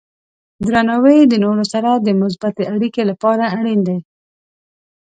درناوی د نورو سره د مثبتې اړیکې لپاره اړین دی.